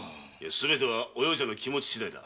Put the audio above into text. すべてはお葉ちゃんの気持ちしだいだ。